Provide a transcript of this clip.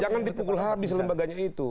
jangan dipukul habis lembaganya itu